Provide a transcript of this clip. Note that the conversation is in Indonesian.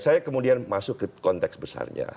saya kemudian masuk ke konteks besarnya